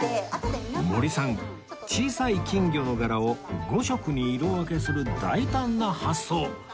森さん小さい金魚の柄を５色に色分けする大胆な発想